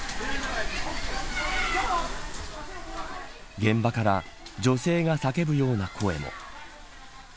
現場から女性が叫ぶような声も。